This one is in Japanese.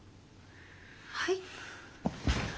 はい？